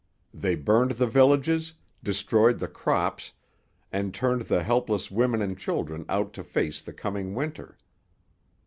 They burned the villages, destroyed the crops, and turned the helpless women and children out to face the coming winter.